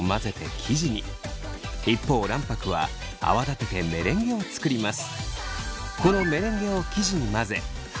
一方卵白は泡立ててメレンゲを作ります。